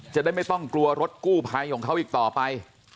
จะได้ไม่ต้องกลัวรถกู้ภัยของเขาอีกต่อไป